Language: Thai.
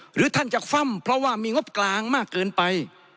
หรือท่านจะคว่ำเพราะว่ามีงบกลางมากเกินไป